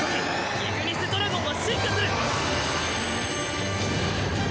イグニスドラゴンは進化する！